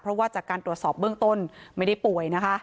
เพราะว่าจากการตรวจสอบเบื้องต้นไม่ได้ป่วยนะคะ